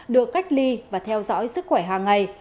được cách ly và theo dõi sức khỏe hàng ngày